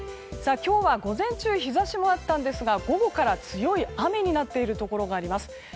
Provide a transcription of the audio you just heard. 今日は午前中、日差しもあったんですが午後から強い雨になっているところがあります。